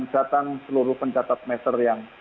datang seluruh pencatatan netel yang